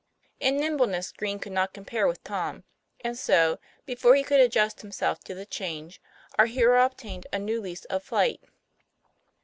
In nimbleness Green could not compare with Tom ; and so, before he could adjust himself to the change, our hero obtained a new lease of flight.